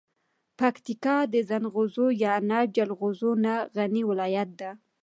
پکتیکا د زنغوزو یعنب جلغوزو نه غنی ولایت ده.